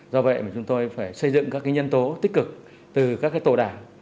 do vậy mà chúng tôi phải xây dựng các cái nhân tố tích cực từ các cái tổ đảng